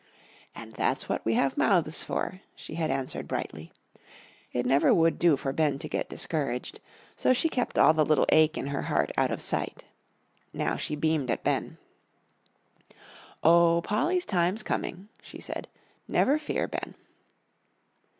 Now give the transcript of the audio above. "And that's what we have mouths for," she had answered brightly. It never would do for Ben to get discouraged, so she kept all the little ache in her heart out of sight. Now she beamed at Ben. "Oh, Polly's time's coming," she said; "never fear, Ben."